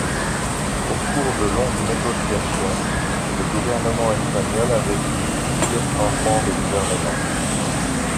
Au cours de longues négociations, le gouvernement espagnol avait subi plusieurs changements de gouvernement.